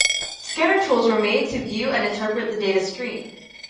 Scanner tools were made to view and interpret the data stream.